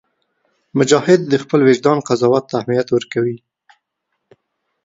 مجاهد د خپل وجدان قضاوت ته اهمیت ورکوي.